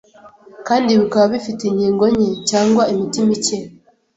kandi bikaba bifite inkingo ncye cyangwa imiti micye